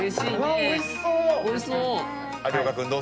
おいしそう！